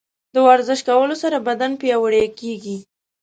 د ورزش کولو سره بدن پیاوړی کیږي.